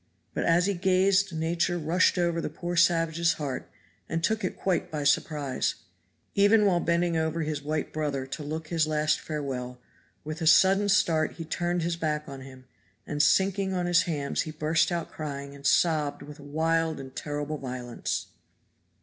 But as he gazed nature rushed over the poor savage's heart and took it quite by surprise. Even while bending over his white brother to look his last farewell, with a sudden start he turned his back on him, and sinking on his hams he burst out crying and sobbing with a wild and terrible violence.